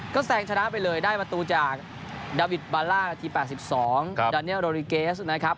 ก็แซงชนะไปเลยได้ประตูจากดาวิทบาลล่านาที๘๒ดาเนียโรริเกสนะครับ